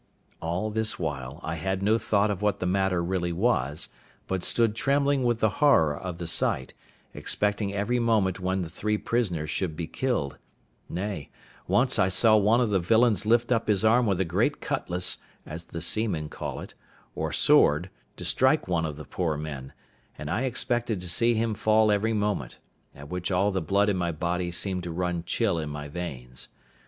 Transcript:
All this while I had no thought of what the matter really was, but stood trembling with the horror of the sight, expecting every moment when the three prisoners should be killed; nay, once I saw one of the villains lift up his arm with a great cutlass, as the seamen call it, or sword, to strike one of the poor men; and I expected to see him fall every moment; at which all the blood in my body seemed to run chill in my veins.